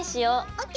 ＯＫ！